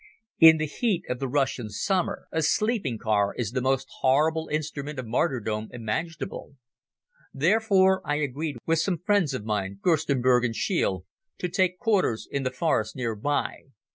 In the heat of the Russian summer a sleeping car is the most horrible instrument of martyrdom imaginable. Therefore, I agreed with some friends of mine, Gerstenberg and Scheele, to take quarters in the forest near by.